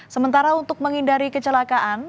sementara untuk menghindari kecelakaan